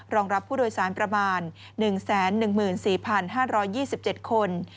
รองรับผู้โดยสารประมาณ๑๑๔๕๒๗คน